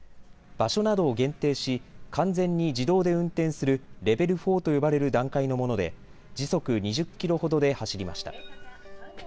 場所などを限定し完全に自動で運転するレベル４と呼ばれる段階のもので時速２０キロほどで走りました。